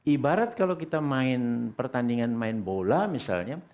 ibarat kalau kita main pertandingan main bola misalnya